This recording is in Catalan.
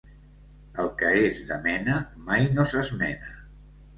El que és de mena mai no s'esmena.